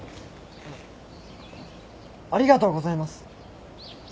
ありがとうございます。